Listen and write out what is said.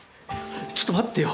ちょっと待ってよ。